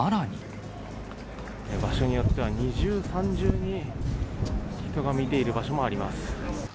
場所によっては、二重、三重に人が見ている場所もあります。